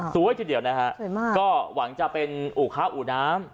สวยทีเดียวนะฮะก็หวังจะเป็นอุข้าอุน้ำ